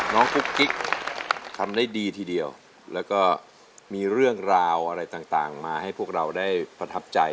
กุ๊กกิ๊กทำได้ดีทีเดียวแล้วก็มีเรื่องราวอะไรต่างมาให้พวกเราได้ประทับใจ